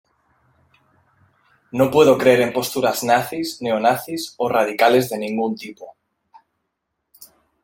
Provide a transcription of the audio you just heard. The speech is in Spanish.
No puedo creer en posturas nazis, neonazis, o radicales de ningún tipo.